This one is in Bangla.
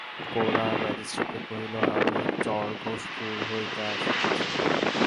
গোরা ম্যাজিস্ট্রেটকে কহিল, আমি চর-ঘোষপুর হইতে আসিতেছি।